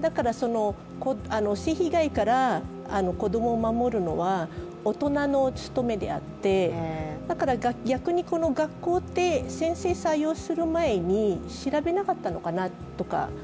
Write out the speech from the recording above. だから、性被害から子供を守るのは、大人の務めであってだから逆に学校で先生を採用する前に調べなかったのかなとか。